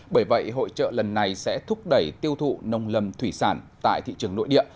bởi vậy hội trợ lần này sẽ thúc đẩy tiêu thụ nông lâm thủy sản tại thị trường nội địa